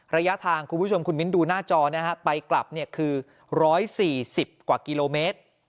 ระยะทางคุณผู้ชมคุณมิ้นดูหน้าจอนะฮะไปกลับคือ๑๔๐กว่ากิโลเมตร